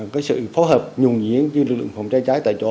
có sự phù hợp nhuồn nhiễn với lực lượng phòng cháy chữa cháy tại chỗ